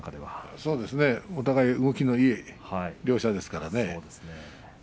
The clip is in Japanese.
そうですねお互い、動きのいい両者です。